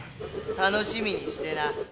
楽しみにしてな。